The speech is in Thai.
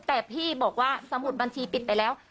แต่พี่บอกว่าสมุดบัญชีปิดไปแล้ว